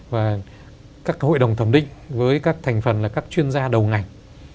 và các hội đồng thẩm định với các thành phần là các chuyên gia đầu ngành